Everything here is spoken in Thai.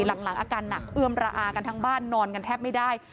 หลังอาการหนักเอื้อมระอากันทั้งบ้านนอนกันแทบไม่ได้